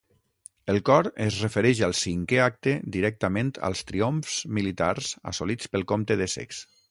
El Cor es refereix al cinquè acte directament als triomfs militars assolits pel comte d'Essex.